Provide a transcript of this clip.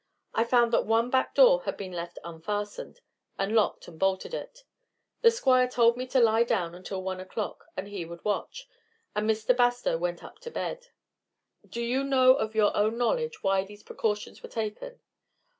I found that one back door had been left unfastened, and locked and bolted it. The Squire told me to lie down until one o'clock, and he would watch, and Mr. Bastow went up to bed." "Do you know of your own knowledge why these precautions were taken?"